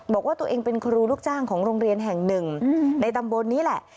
บอกว่าตัวเองเป็นครูลูกจ้างของโรงเรียนแห่งหนึ่งในตำบลนี้แหละ